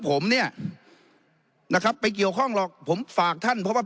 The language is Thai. ผมเนี่ยนะครับไปเกี่ยวข้องหรอกผมฝากท่านเพราะว่า